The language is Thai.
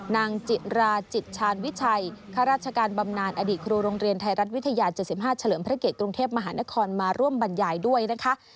นางจิราจิตชาญวิชัยข้าราชการบำนานอดีตครูโรงเรียนไทยรัฐวิทยา๗๕เฉลิมพระเกตกรุงเทพมหานครมาร่วมบรรยายด้วยนะคะ